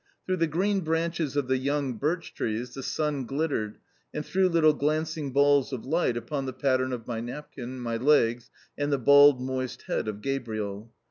Through the green branches of the young birch trees the sun glittered and threw little glancing balls of light upon the pattern of my napkin, my legs, and the bald moist head of Gabriel.